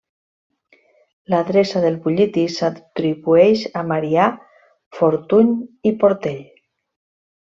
L'adreça del butlletí s'atribueix a Marià Fortuny i Portell.